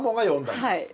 はい。